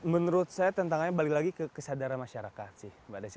menurut saya tantangannya balik lagi ke kesadaran masyarakat sih mbak desi